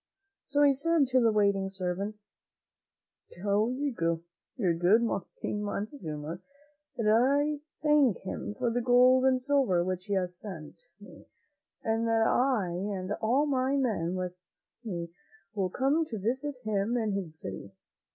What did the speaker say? So he said to the waiting servants, "Tell your good King Montezuma that I thank him for the gold and silver which he has sent me, and that I and all my men with me will come to visit him in his beautiful city."